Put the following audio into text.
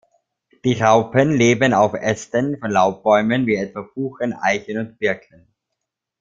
Die Raupen leben auf Ästen von Laubbäumen wie etwa Buchen, Eichen und Birken.